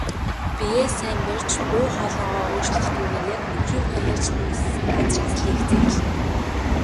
Биеэ сайн барьж, дуу хоолойгоо өөрчлөлгүйгээр яг нөхрийнхөө ярьж дууссан газраас лекцээ эхлэв.